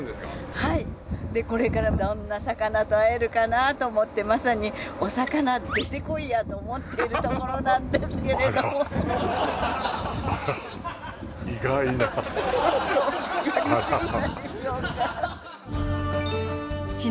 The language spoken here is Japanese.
はいでこれからどんな魚と会えるかなと思ってまさにお魚出てこいや！と思っているところなんですけれどもあらやりすぎたでしょうか？